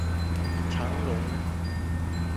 長榮